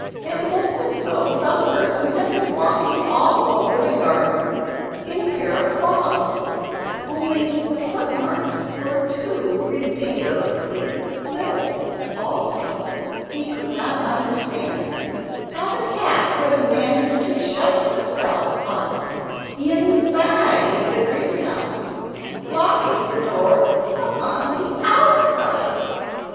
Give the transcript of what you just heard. It looked as though some person had been walking all over the garden in a pair of clogs only the footmarks were too ridiculously little! Also he could not understand how the cat could have managed to shut herself up INSIDE the greenhouse, locking the door upon the OUTSIDE.